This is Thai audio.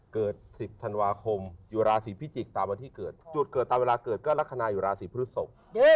เกิด๑๐ธันวาคมอยู่ราศีพิจิกษ์ตามวันที่เกิดจุดเกิดตามเวลาเกิดก็ลักษณะอยู่ราศีพฤศพ